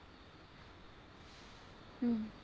うん。